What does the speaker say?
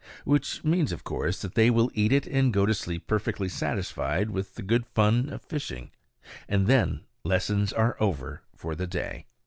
Which means, of course, that they will eat it and go to sleep perfectly satisfied with the good fun of fishing; and then lessons are over for the day.